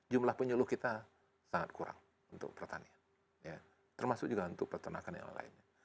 jumlah penyuluh kita sangat kurang untuk pertanian termasuk juga untuk peternakan yang lainnya